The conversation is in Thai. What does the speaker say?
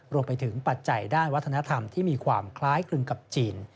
รวมไปถึงปัจจัยด้านวัฒนธรรมที่มีความคล้ายกันกับจีน